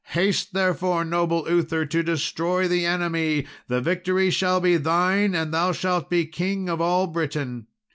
Haste, therefore, noble Uther, to destroy the enemy; the victory shall be thine, and thou shalt be king of all Britain.